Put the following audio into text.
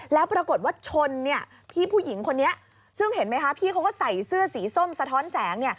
แล้วปรากฏว่าชนพี่ผู้หญิงคนนี้ซึ่งเห็นไหมคะพี่เขาก็ใส่เสื้อสีส้มสะท้อนแสง